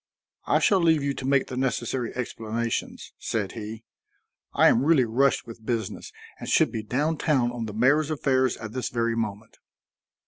"I shall leave you to make the necessary explanations," said he. "I am really rushed with business and should be down town on the mayor's affairs at this very moment."